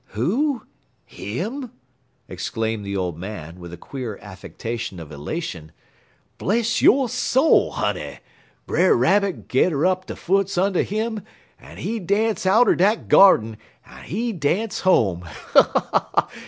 "Who? Him?" exclaimed the old man, with a queer affectation of elation. "Bless yo' soul, honey! Brer Rabbit gedder up his foots und' 'im, en he dance outer dat gyardin, en he dance home.